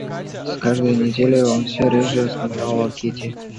С каждою неделей он всё реже вспоминал о Кити.